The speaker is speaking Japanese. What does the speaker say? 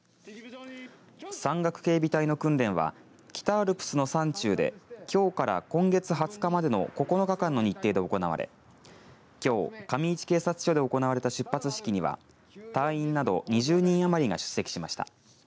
山岳警備隊の訓練は北アルプスの山中できょうから今月２０日までの９日間の日程で行われきょう上市警察署で行われた出発式には隊員など２０人余りが出席しました。